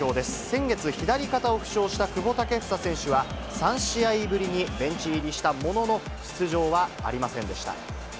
先月、左肩を負傷した久保建英選手は、３試合ぶりにベンチ入りしたものの、出場はありませんでした。